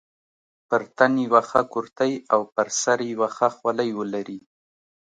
پر تن یوه ښه کورتۍ او پر سر یوه ښه خولۍ ولري.